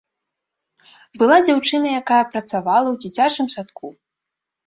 Была дзяўчына, якая працавала ў дзіцячым садку.